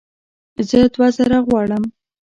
زه دوه زره غواړم